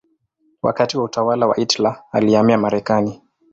Wakati wa utawala wa Hitler alihamia Marekani.